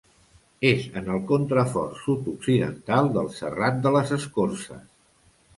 És en el contrafort sud-occidental del Serrat de les Escorces.